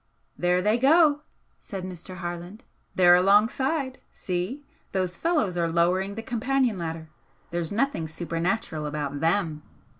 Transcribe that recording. "There they go!" said Mr. Harland "They're alongside! See! those fellows are lowering the companion ladder there's nothing supernatural about THEM!